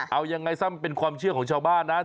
เอายังไงซะมันเป็นความเชื่อของชาวบ้านนะ